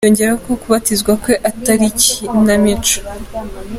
Yongeyeho ko kubatizwa kwe atari ikinamico.